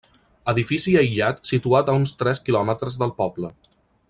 Edifici aïllat situat a uns tres quilòmetres del poble.